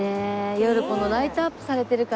夜ライトアップされてるから。